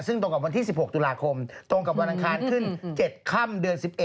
ซึ่งตรงกับวันที่๑๖ตุลาคมตรงกับวันอังคารขึ้น๗ค่ำเดือน๑๑